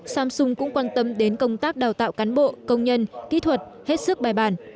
samsung cũng quan tâm đến công tác đào tạo cán bộ công nhân kỹ thuật hết sức bài bản